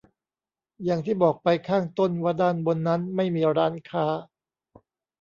อย่างที่บอกไปข้างต้นว่าด้านบนนั้นไม่มีร้านค้า